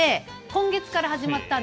今月から始まりました。